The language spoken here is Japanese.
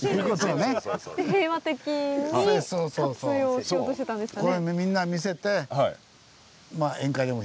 で平和的に活用しようとしてたんですかね。